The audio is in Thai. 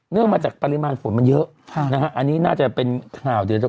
เนื่องมาจากปริมาณฝนมันเยอะอันนี้น่าจะเป็นข่าวเดือน